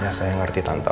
ya saya mengerti tanta